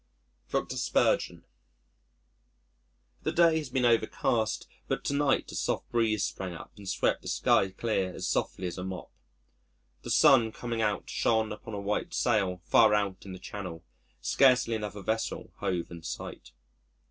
Dr. Spurgeon The day has been overcast, but to night a soft breeze sprang up and swept the sky clear as softly as a mop. The sun coming out shone upon a white sail far out in the channel, scarcely another vessel hove in sight.